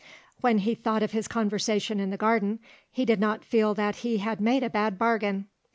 When he thought of his conversation in the garden, he did not feel that he had made a bad bargain.